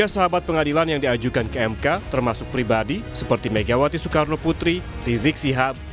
tiga sahabat pengadilan yang diajukan ke mk termasuk pribadi seperti megawati soekarno putri rizik sihab